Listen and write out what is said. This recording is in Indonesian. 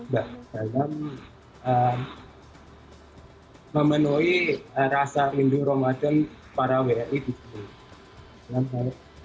dalam memenuhi rasa minggu ramadan para wri di sini